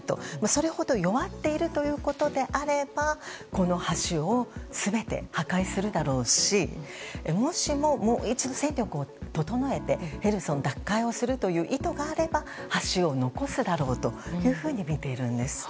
それほど弱っているということであればこの橋を全て破壊するだろうしもしも、もう一度戦力を整えてヘルソン奪回をするという意図があれば橋を残すだろうというふうにみているんです。